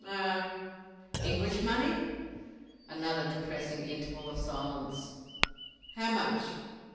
Ah! English money?" Another depressing interval of silence. "How much?"